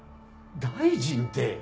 大臣って。